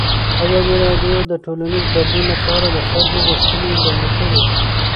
ازادي راډیو د ټولنیز بدلون لپاره د خلکو غوښتنې وړاندې کړي.